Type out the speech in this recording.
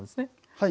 はい。